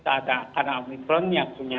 karena omicron yang punya